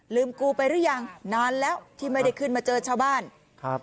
กูไปหรือยังนานแล้วที่ไม่ได้ขึ้นมาเจอชาวบ้านครับ